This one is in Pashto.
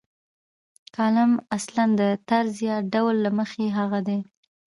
کالم اصلاً د طرز یا ډول له مخې هغه دی.